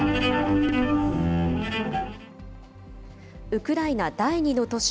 ウクライナ第２の都市